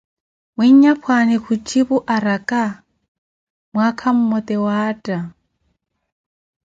Mwinyapwaani kujipu araka, mwaka mmote waatta